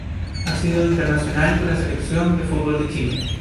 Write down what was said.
Ha sido internacional con la selección de fútbol de Chile.